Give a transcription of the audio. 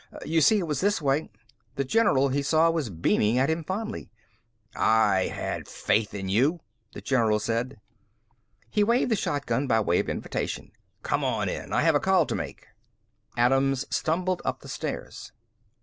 You see, it was this way...." The general, he saw, was beaming at him fondly. "I had faith in you," the general said. He waved the shotgun by way of invitation. "Come on in. I have a call to make." Adams stumbled up the stairs.